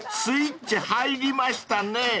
スイッチ入りましたね］